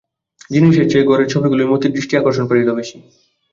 জিনিসের চেয়ে ঘরের ছবিগুলিই মতির দৃষ্টি আকর্ষণ করিল বেশি।